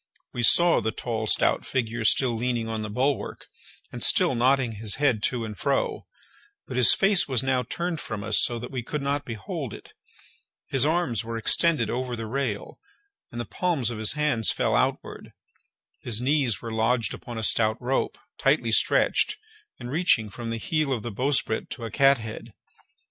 We saw the tall stout figure still leaning on the bulwark, and still nodding his head to and fro, but his face was now turned from us so that we could not behold it. His arms were extended over the rail, and the palms of his hands fell outward. His knees were lodged upon a stout rope, tightly stretched, and reaching from the heel of the bowsprit to a cathead.